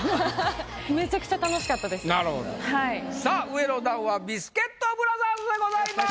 めちゃくちゃさあ上の段はビスケットブラザーズでございます。